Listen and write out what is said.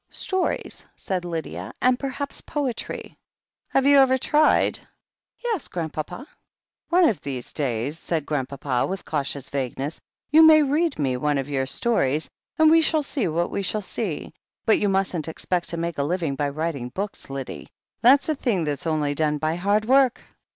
"Stories," said Lydia, "and perhaps poetry." "Have you ever tried?" "Yes, Grandpapa." ^"] THE HEEL OF ACHILLES 21 C)ne of these days," said Grandpapa, with cautious vagueness, "you ^^Y read me one of your stories, and we shall see what we shall see ; but you mustn't expect to make a living by writing books, Lyddie. That's a thing that's only done by hard work."